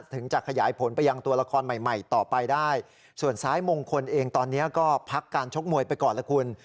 ถึงจะขยายผลไปยังตัวละครใหม่ใหม่ต่อไปได้ส่วนซ้ายมงคลเองตอนนี้ก็พักการชกมวยไปก่อนละคุณ